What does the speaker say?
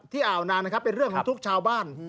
อ่าวนางนะครับเป็นเรื่องของทุกชาวบ้าน